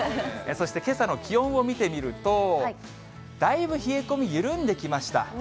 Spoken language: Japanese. そしてけさの気温を見てみると、だいぶ冷え込み、緩んできました。